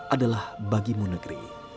adalah bagimu negeri